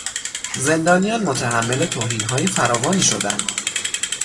زندانیان متحمل توهینهای فراوانی شدند.